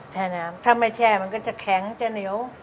แช่น้ำถ้าไม่แช่มันก็จะแข็งจะเหนียว